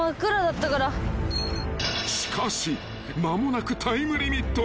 ［しかし間もなくタイムリミット］